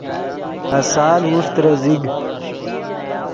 آسال اوݰ ترے زیگ